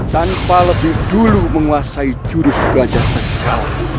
tanpa lebih dulu menguasai jurus belajar vertikal